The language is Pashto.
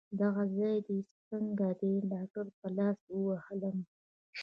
دغه ځای دي څنګه دی؟ ډاکټر په لاسو ووهلم.